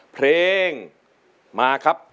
เพลงมาครับ